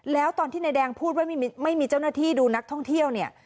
แล้วตอนที่นายแดงพูดว่าไม่มีเจ้าหน้าที่ดูนักท่องเที่ยวเนี่ย